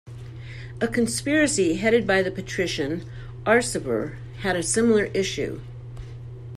A conspiracy headed by the patrician Arsaber had a similar issue.